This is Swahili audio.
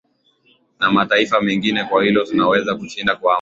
na mataifa mengine kwa hilo tunaweza kushinda kwa amani